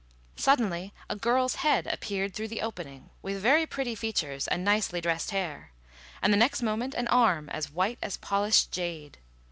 Suddenly a girl's head appeared through the opening, with very pretty features and nicely dressed hair; and the next moment an arm, as white as polished jade.